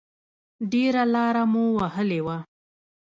ډېره لاره مو وهلې وه.